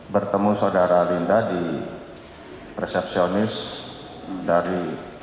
bertemu saudara linda di resepsionis dari